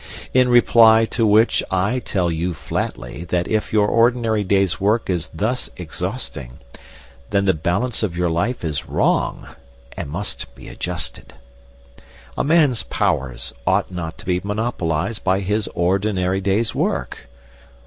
In reply to which I tell you flatly that if your ordinary day's work is thus exhausting, then the balance of your life is wrong and must be adjusted. A man's powers ought not to be monopolised by his ordinary day's work.